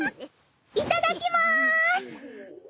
いただきます！